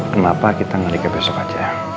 kenapa kita ngeri ke besok aja